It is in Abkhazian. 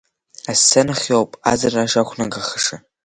Асцена хиоуп аӡынра ишақәнагахаша.